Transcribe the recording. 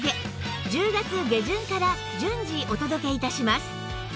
１０月下旬から順次お届け致します